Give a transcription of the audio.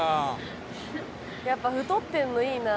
やっぱ太ってんのいいな。